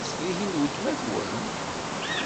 Tihin d weltma-twen?